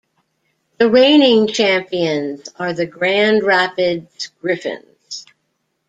The reigning champions are the Grand Rapids Griffins.